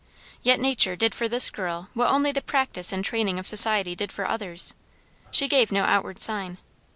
Yet nature did for this girl what only the practice and training of society do for others; she gave no outward sign.